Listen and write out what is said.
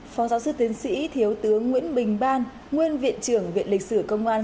phó giáo sư tiến sĩ thiếu tướng nguyễn bình ban nguyên viện trưởng viện lịch sử công an